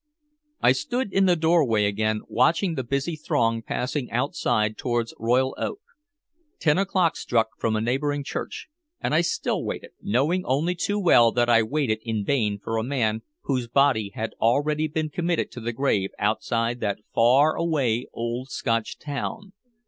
I stood in the doorway again watching the busy throng passing outside towards Royal Oak. Ten o'clock struck from a neighboring church, and I still waited, knowing only too well that I waited in vain for a man whose body had already been committed to the grave outside that far away old Scotch town.